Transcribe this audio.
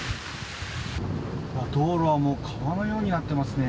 道路は川のようになっていますね。